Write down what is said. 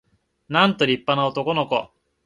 なんと立派な男の子